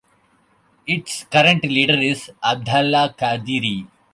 Its current leader is Abdallah Kadiri.